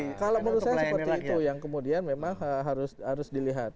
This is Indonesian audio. kalau menurut saya seperti itu yang kemudian memang harus dilihat